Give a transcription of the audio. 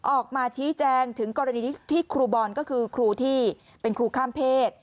ออกมาชี้แจงถึงกรณีที่ครูบอลก็คือครูที่เป็นครูข้ามเพศ